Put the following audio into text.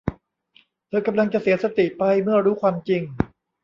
เธอกำลังจะเสียสติไปเมื่อรู้ความจริง